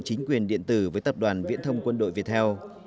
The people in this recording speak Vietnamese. chính quyền điện tử với tập đoàn viễn thông quân đội việt theo